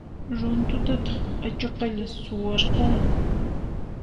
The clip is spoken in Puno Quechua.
Runtutataq achuqalla suwarqukunman.